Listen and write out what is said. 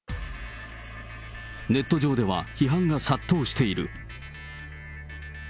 ネット上では、批判が殺到している。